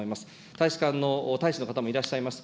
大使館の大使の方もいらっしゃいます。